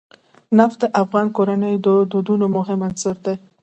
نفت د افغان کورنیو د دودونو مهم عنصر دی.